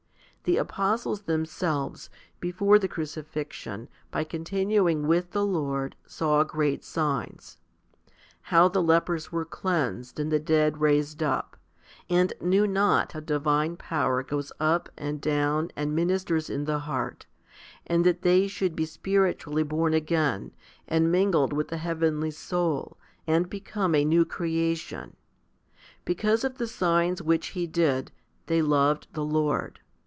1 The apostles themselves, before the crucifixion, by continuing with the Lord, saw great signs how the lepers were cleansed and the dead raised up, and knew not how divine power goes up and down and ministers in the heart, and that they should be spiritually born again, and mingled with the heavenly soul, and become a new creation. Because of the signs which He did, they loved the Lord.